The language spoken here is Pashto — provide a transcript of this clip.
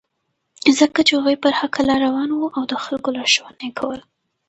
ځکه چې هغوی پر حقه لاره روان وو او د خلکو لارښوونه یې کوله.